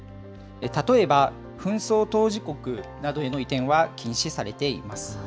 例えば紛争当事国などへの移転は禁止されています。